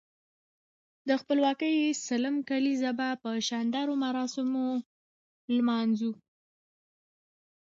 د خپلواکۍ سلم کاليزه به په شاندارو مراسمو نمانځو.